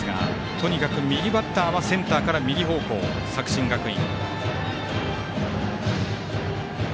とにかく右バッターはセンターから右方向、作新学院。